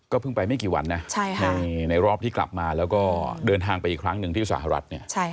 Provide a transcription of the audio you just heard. เพิ่งไปไม่กี่วันนะในรอบที่กลับมาแล้วก็เดินทางไปอีกครั้งหนึ่งที่สหรัฐเนี่ย